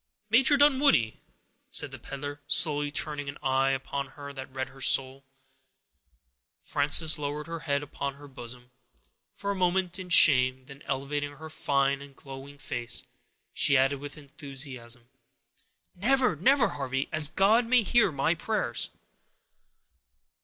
"Major Dunwoodie"—said the peddler, slowly, turning an eye upon her that read her soul. Frances lowered her head upon her bosom, for a moment, in shame; then, elevating her fine and glowing face, she added, with enthusiasm,— "Never, never, Harvey, as God may hear my prayers!"